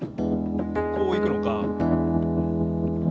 こういくのか。